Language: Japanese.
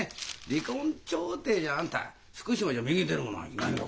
離婚調停じゃあんた福島じゃ右に出る者はいないよ。